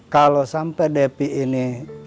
kalau sampai devi ini